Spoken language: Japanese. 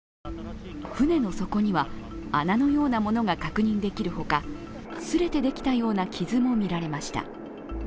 船の底には穴のようなものが確認できるほか擦れてできたような傷も見られました。